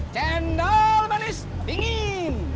cendol manis dingin